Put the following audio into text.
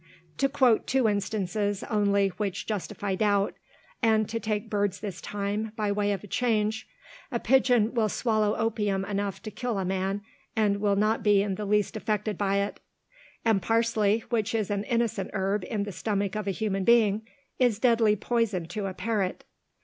To quote two instances only which justify doubt and to take birds this time, by way of a change a pigeon will swallow opium enough to kill a man, and will not be in the least affected by it; and parsley, which is an innocent herb in the stomach of a human being, is deadly poison to a parrot.